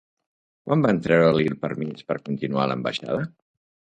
Quan van treure-li el permís per continuar a l'ambaixada?